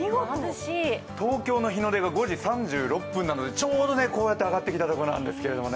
東京の日の出が５時３６分なのでちょうど上がってきたところなんですね。